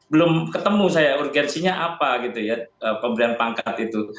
belum ketemu saya urgensinya apa gitu ya pemberian pangkat itu